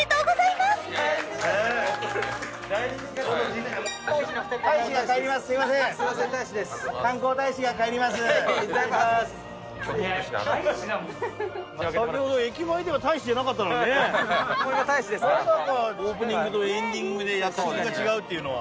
まさかオープニングとエンディングで役職が違うっていうのは。